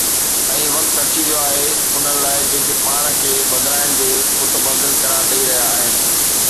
۽ وقت اچي ويو آهي انهن لاءِ جيڪي پاڻ کي بدلائڻ جو متبادل قرار ڏئي رهيا آهن.